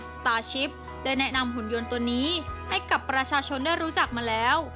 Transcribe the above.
สตาร์ชิปได้แนะนำหุ่นยนต์ตัวนี้ให้กับประชาชนได้รู้จักมาแล้ว